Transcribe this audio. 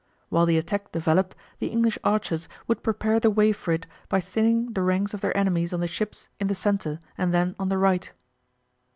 While the attack developed the English archers would prepare the way for it by thinning the ranks of their enemies on the ships in the centre and then on the right.